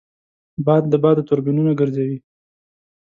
باد د بادو توربینونه ګرځوي